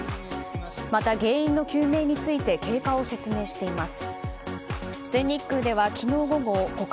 また、原因の究明について経過を説明しています。